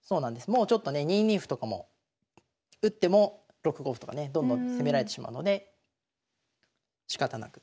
もうちょっとね２二歩とかも打っても６五歩とかねどんどん攻められてしまうのでしかたなく